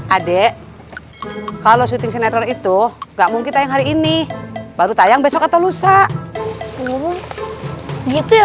adik kalau syuting sinetron itu enggak mungkin tayang hari ini baru tayang besok atau lusa gitu ya